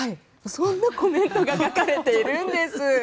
そんなコメントが書かれているんです。